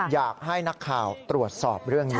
อยากให้นักข่าวตรวจสอบเรื่องนี้